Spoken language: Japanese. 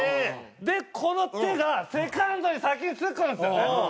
でこの手がセカンドに先につくんですよね。